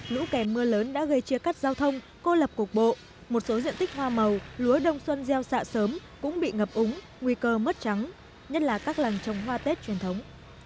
lũ kèm mưa lớn đã gây chia cắt giao thông cô lập cục bộ một số diện tích hoa màu lúa đông xuân gieo xạ sớm cũng bị ngập úng nguy cơ mất trắng nhất là các làng trồng hoa tết truyền thống